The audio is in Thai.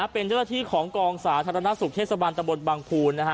เป็นเจ้าหน้าที่ของกองสาธารณสุขเทศบาลตะบนบางภูล